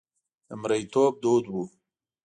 د مریتوب دود و.